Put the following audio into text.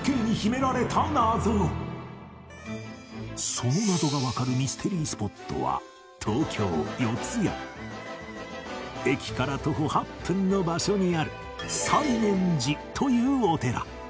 その謎がわかるミステリースポットは駅から徒歩８分の場所にある西念寺というお寺